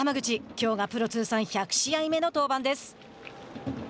きょうがプロ通算１００試合目の登板です。